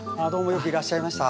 よくいらっしゃいました。